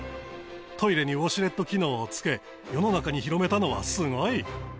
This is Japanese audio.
トイレにウォシュレット機能を付け世の中に広めたのはすごい。